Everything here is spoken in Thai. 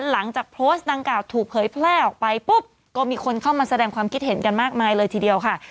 หลังจากโพสต์ดังกล่าวถูกเผยแพร่ออกไปปุ๊บก็มีคนเข้ามาแสดงความคิดเห็นกันมากมายเลยทีเดียวค่ะ